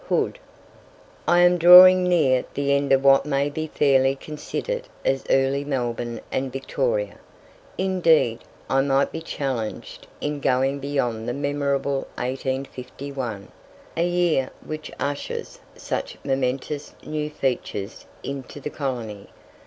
Hood. I am drawing near the end of what may be fairly considered as "Early Melbourne and Victoria." Indeed, I might be challenged in going beyond the memorable 1851, a year which ushers such momentous new features into the colony.